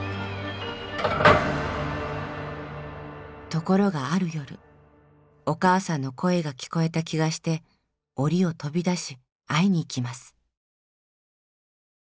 ところがある夜お母さんの声が聞こえた気がしておりを飛び出し会いに行きます。